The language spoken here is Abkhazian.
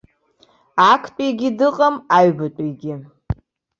Актәигьы дыҟам, аҩбатәигьы.